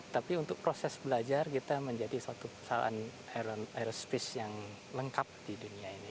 tapi untuk proses belajar kita menjadi suatu perusahaan aerospace yang lengkap di dunia ini